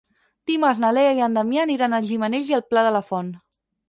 Dimarts na Lea i en Damià aniran a Gimenells i el Pla de la Font.